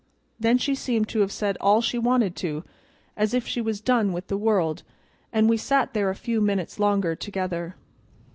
Then she seemed to have said all she wanted to, as if she was done with the world, and we sat there a few minutes longer together.